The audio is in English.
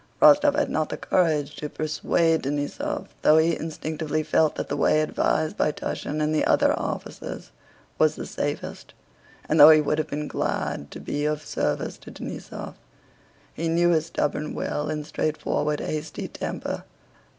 Rostóv had not the courage to persuade Denísov, though he instinctively felt that the way advised by Túshin and the other officers was the safest, and though he would have been glad to be of service to Denísov. He knew his stubborn will and straightforward hasty temper.